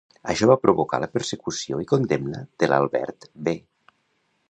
Això va provocar la persecució i condemna d'Albert B.